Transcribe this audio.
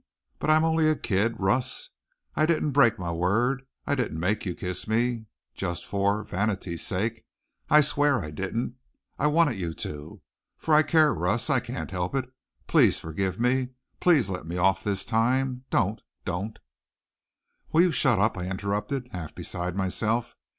But I am only a kid. Russ, I didn't break my word I didn't make you kiss me just for, vanity's sake. I swear I didn't. I wanted you to. For I care, Russ, I can't help it. Please forgive me. Please let me off this time. Don't don't " "Will you shut up!" I interrupted, half beside myself.